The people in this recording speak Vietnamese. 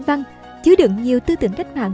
văn chứa đựng nhiều tư tưởng cách mạng